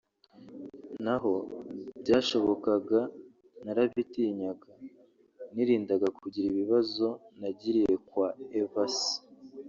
naho byashobokaga narabitinyaga nirindaga kugira ibibazo nagiriye kwa Evase